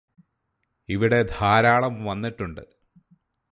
ഇവിടെ ധാരാളം വന്നിട്ടുണ്ട്